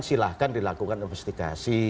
silahkan dilakukan investigasi